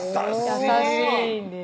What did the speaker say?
優しいんです